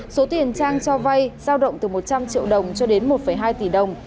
số tiền trang cho vay giao động từ một trăm linh triệu đồng cho đến một hai tỷ đồng